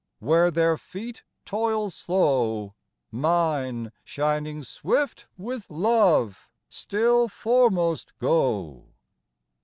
Where their feet toil slow, Mine, shining swift with love, still foremost go.